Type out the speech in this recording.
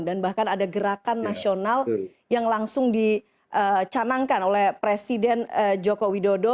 dan bahkan ada gerakan nasional yang langsung dicanangkan oleh presiden joko widodo